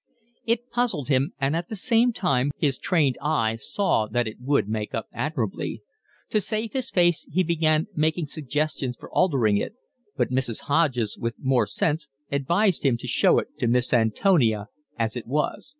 It puzzled him, and at the same time his trained eye saw that it would make up admirably. To save his face he began making suggestions for altering it, but Mrs. Hodges, with more sense, advised him to show it to Miss Antonia as it was.